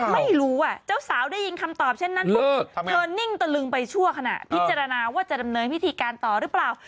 ไม่รู้เจ้าสาวได้ยินคำตอบเช่นนั้นปุ๊บเธอนิ่งตะลึงไปชั่วขณะพิจารณาว่าจะดำเนินพิธีการต่อหรือเปล่า